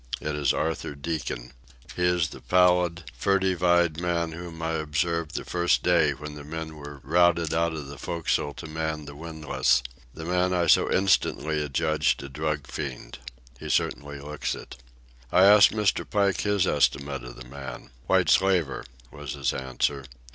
It is Arthur Deacon. He is the pallid, furtive eyed man whom I observed the first day when the men were routed out of the forecastle to man the windlass—the man I so instantly adjudged a drug fiend. He certainly looks it. I asked Mr. Pike his estimate of the man. "White slaver," was his answer.